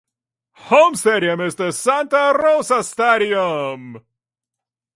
Home stadium is the Santa Rosa stadium.